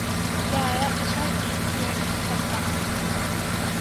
کہ آیا اچھا ٹی ٹؤنٹی کپتان